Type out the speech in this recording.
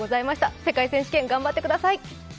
世界選手権、頑張ってください！